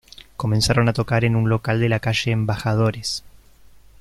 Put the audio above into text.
Comenzaron a tocar en un local de la calle de Embajadores.